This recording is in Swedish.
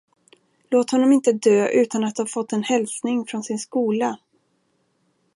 Låt honom inte dö utan att ha fått en hälsning från sin skola!